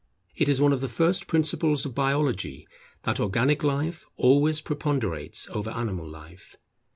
It is one of the first principles of Biology that organic life always preponderates over animal life.